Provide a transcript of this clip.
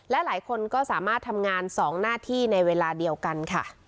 และหลายคนก็สามารถทำงาน๒หน้าที่ในเวลาเดียวกันค่ะ